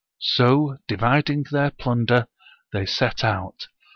So dividing their plunder, they set out.